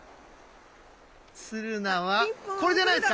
ツルナはこれじゃないですか？